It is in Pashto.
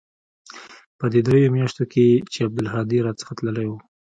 په دې درېو مياشتو کښې چې عبدالهادي را څخه تللى و.